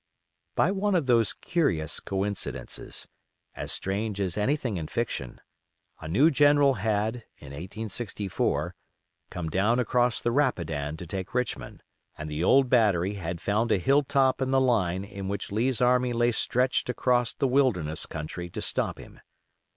By one of those curious coincidences, as strange as anything in fiction, a new general had, in 1864, come down across the Rapidan to take Richmond, and the old battery had found a hill top in the line in which Lee's army lay stretched across "the Wilderness" country to stop him.